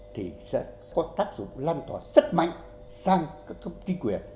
thì sẽ có tác dụng lan tỏa rất mạnh sang các cấp chính quyền